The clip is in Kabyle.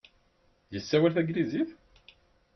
Yessawal tanglizit?